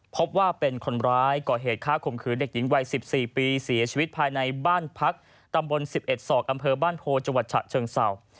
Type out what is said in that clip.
พบว่าเป็นคนร้ายก่อเหตุฆ่าข่มขืนเด็กหญิงวัย๑๔ปีเสียชีวิตภายในบ้านพักตำบล๑๑ศอกอำเภอบ้านโพจังหวัดฉะเชิงเศร้า